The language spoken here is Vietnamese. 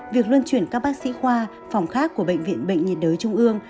việc luân chuyển các bác sĩ khoa phòng khác của bệnh viện bệnh nhiệt đới trung ương